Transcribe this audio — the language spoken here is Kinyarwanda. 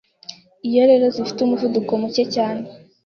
Iyo rero zifite umuvuduko mucye cyane,